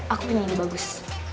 aku punya ini bagus